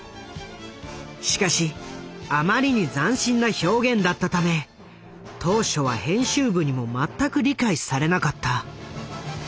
しかしあまりに斬新な表現だったため当初は編集部にも全く理解されなかった。